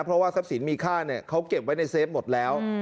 เพราะว่าทรัพย์สินมีค่าเขาเก็บไว้ในเฟฟหมดแล้ว